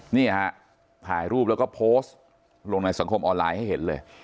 นี่ฮะถ่ายรูปแล้วก็โพสต์ลงในสังคมออนไลน์ให้เห็นเลย